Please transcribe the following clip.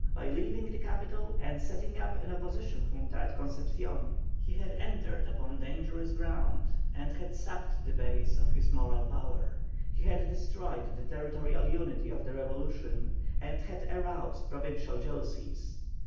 By leaving the capital and setting up an opposition Junta at Concepcion, he had entered upon dangerous ground and had sapped the base of his moral power; he had destroyed the territorial unity of the revolution and had aroused provincial jealousies.